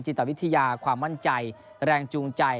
ตวิทยาความมั่นใจแรงจูงใจ